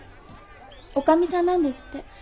女将さんなんですって。